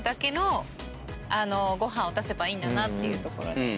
出せばいいんだなっていうところで。